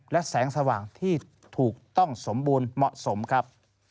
และแสงสว่างที่ถูกต้องสมบูรณ์เหมาะสมครับ